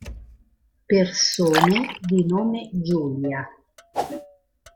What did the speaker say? Persone di nome Giulia